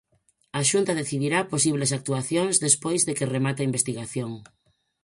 A Xunta decidirá posibles actuacións despois de que remate a investigación.